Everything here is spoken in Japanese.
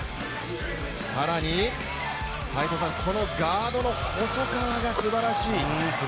更に、このガードの細川がすばらしい。